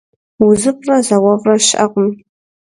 УзыфӀрэ зауэфӀрэ щыӀэкъым.